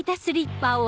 スリッパ。